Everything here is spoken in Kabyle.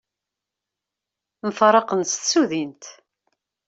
Mfaraqen s tsudint.